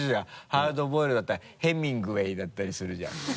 「ハードボイルド」だったらヘミングウェイだったりするじゃん。